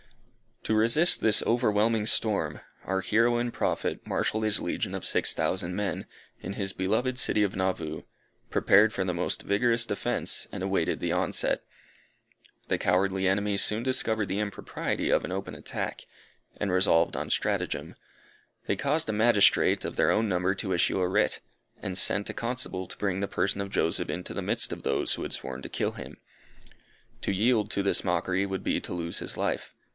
To resist this overwhelming storm, our hero and Prophet marshalled his legion of six thousand men, in his beloved city of Nauvoo, prepared for the most vigorous defence, and awaited the onset. The cowardly enemy soon discovered the impropriety of an open attack, and resolved on stratagem. They caused a magistrate of their own number to issue a writ; and sent a constable to bring the person of Joseph into the midst of those who had sworn to kill him. To yield to this mockery would be to lose his life.